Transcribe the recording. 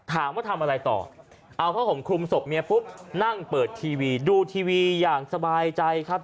ถามว่าทำอะไรต่อเอาผ้าห่มคลุมศพเมียปุ๊บนั่งเปิดทีวีดูทีวีอย่างสบายใจครับ